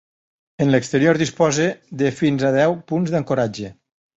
En l'exterior disposa de fins a deu punts d'ancoratge.